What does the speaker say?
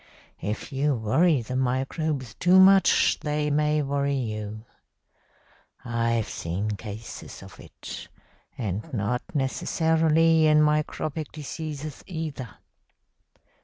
If you worry the microbes too much they may worry you. I've seen cases of it, and not necessarily in microbic diseases either.